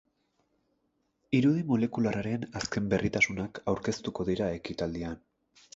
Irudi molekularraren azken berritasunak aurkeztuko dira ekitaldian.